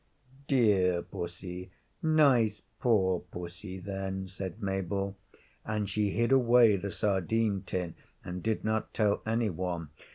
] 'Dear pussy, nice poor pussy, then,' said Mabel, and she hid away the sardine tin and did not tell any one.